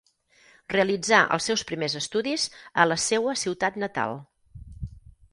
Realitzà els seus primers estudis a la seua ciutat natal.